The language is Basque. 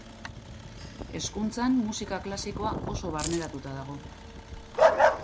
Hezkuntzan, musika klasikoa oso barneratuta dago.